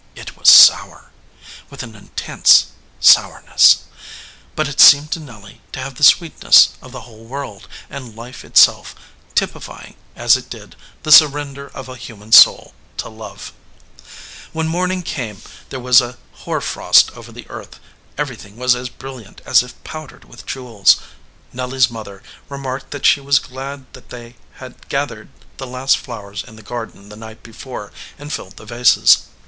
It was sour, with an intense sourness, but it seemed to Nelly to have the sweetness of the whole world, and life itself, typifying, as it did, the surrender of a human soul to love. When morning came there was a hoar frost over 212 SOUR SWEETINGS the earth; everything was as brilliant as if pow dered with jewels. Nelly s mother remarked that she was glad that they had gathered the last flow ers in the garden the night before and filled the vases.